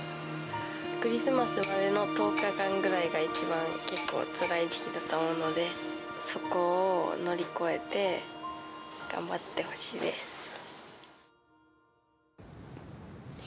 クリスマスまでの１０日間ぐらいが、一番結構つらい時期だと思うので、そこを乗り越えて、頑張ってほし